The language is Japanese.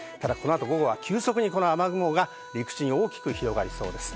午後は急速に雨雲が陸地に大きく広がりそうです。